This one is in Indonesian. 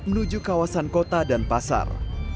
menuju kawasan kota dan pasar